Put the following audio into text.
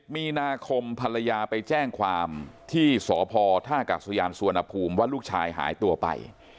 ๑๐มีนาคมภรรยาไปแจ้งความที่สพทสวนภูมิว่าลูกชายหายตัวไป